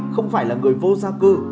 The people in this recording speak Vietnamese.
không phải là người vô gia cư